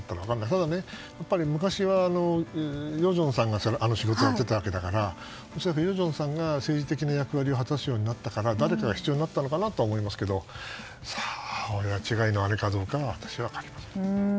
ただ、やっぱり昔は与正さんがあの仕事をやっていたわけだから恐らく与正さんが政治的な役割を果たすようになったから誰かが必要になったのかなと思いますが親違いの姉かどうかは私は分かりません。